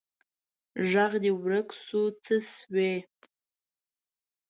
ږغ دي ورک سو څه سوي